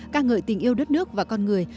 ca ngợi tình yêu đất nước và con người